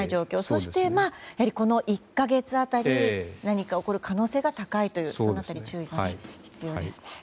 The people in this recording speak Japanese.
そして、この１か月辺りに何か起こる可能性が高いというその辺り注意が必要ですね。